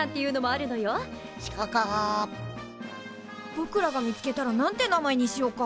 ぼくらが見つけたら何て名前にしようか？